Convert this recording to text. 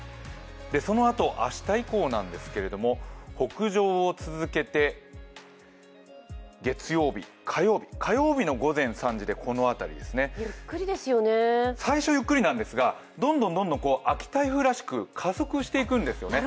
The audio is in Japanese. そのあと、明日以降なんですが北上を続けて、月曜日火曜日、火曜日の午前３時でこの辺りですね最初、ゆっくりなんですがどんどん秋台風らしく加速していくんですよね。